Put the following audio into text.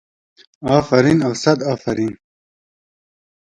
افرین و صد افرین.